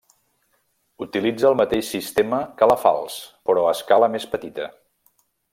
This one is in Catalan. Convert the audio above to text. Utilitza el mateix sistema que la falç però a escala més petita.